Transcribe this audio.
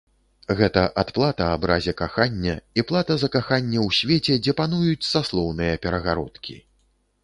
Гэта адплата абразе кахання і плата за каханне ў свеце, дзе пануюць саслоўныя перагародкі.